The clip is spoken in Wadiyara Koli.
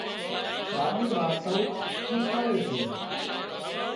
ڏاڏِي وارتائون شيکاڙي سي